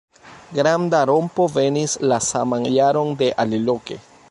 Granda rompo venis la saman jaron de aliloke.